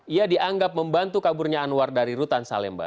ia dianggap membantu kaburnya anwar dari rutan salemba